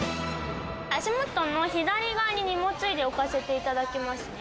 足元の左側に荷物入れ、置かせていただきますね。